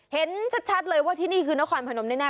เห็นชัดเลยว่าที่นี่คือนครพนมแน่